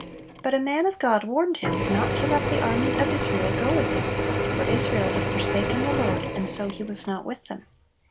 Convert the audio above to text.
But a man of God warned him not to let the army of Israel go with him, for Israel had forsaken the Lord, and so He was not with them.